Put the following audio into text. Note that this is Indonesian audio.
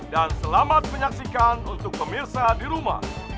dan selamat menyaksikan untuk pemirsa di rumah